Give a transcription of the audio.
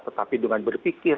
tetapi dengan berpikir